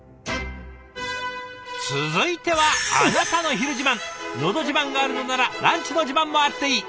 続いては「のど自慢」があるのならランチの自慢もあっていい。